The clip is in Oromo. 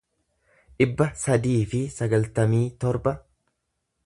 dhibba sadii fi sagaltamii torba